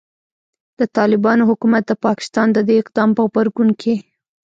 د طالبانو حکومت د پاکستان د دې اقدام په غبرګون کې